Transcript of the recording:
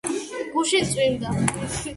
გუშინ წვიმდა